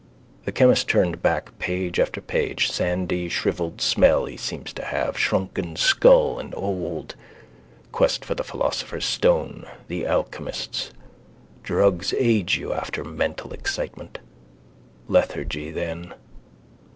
The chemist turned back page after page. Sandy shrivelled smell he seems to have. Shrunken skull. And old. Quest for the philosopher's stone. The alchemists. Drugs age you after mental excitement. Lethargy then.